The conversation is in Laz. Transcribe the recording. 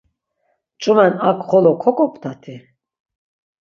Ç̆umen ak xolo kok̆optati?